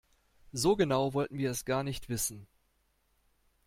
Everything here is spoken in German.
So genau wollten wir es gar nicht wissen.